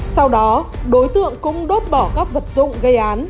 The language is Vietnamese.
sau đó đối tượng cũng đốt bỏ các vật dụng gây án